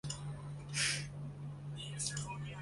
位阶统领。